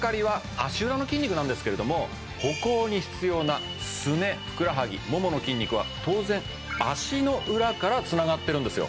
足裏の筋肉なんですけれども歩行に必要なすねふくらはぎももの筋肉は当然足の裏からつながってるんですよ